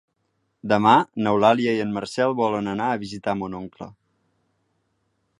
Demà n'Eulàlia i en Marcel volen anar a visitar mon oncle.